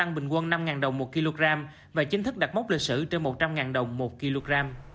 tăng bình quân năm đồng một kg và chính thức đặt mốc lịch sử trên một trăm linh đồng một kg